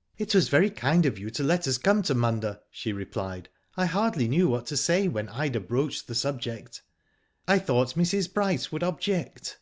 "<" It was very kind of you to let us come to Munda," she replied. *' I hardly knew what to say when Ida broached the subject. I thought Mrs Bryce would object."